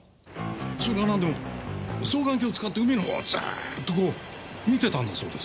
それがなんでも双眼鏡を使って海のほうをずーっとこう見てたんだそうです。